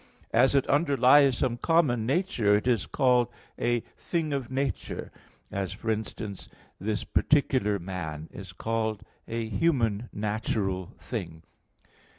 As it underlies some common nature, it is called "a thing of nature"; as, for instance, this particular man is a human natural thing.